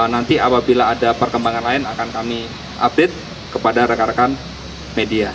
nanti apabila ada perkembangan lain akan kami update kepada rekan rekan media